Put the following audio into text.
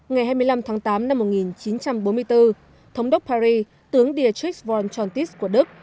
ngày hai mươi năm tháng tám năm một nghìn chín trăm bốn mươi bốn thống đốc paris tướng dietrich vonchontis của đức